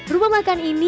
rumah makan ini